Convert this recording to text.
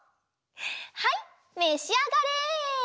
はいめしあがれ。